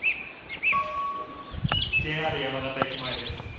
ＪＲ山形駅前です。